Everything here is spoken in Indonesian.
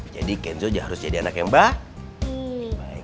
jadi kenjo aja harus jadi anak yang baik